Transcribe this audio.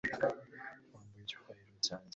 wambuye icyubahiro cyanjye